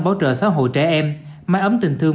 bảo trợ xã hội trẻ em máy ấm tình thương